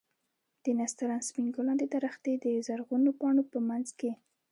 د نسترن سپين ګلان د درختې د زرغونو پاڼو په منځ کښې.